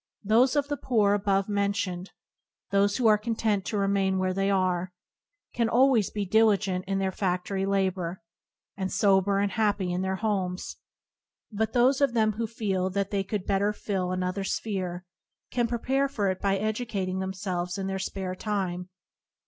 Those of the poor above mentioned, who are content to remain where they are, can always be diligent in their fac tory labour, and sober and happy in their homes, but those of them who feel that they could better fill another sphere, can prepare for it by educating themselves in their spare time.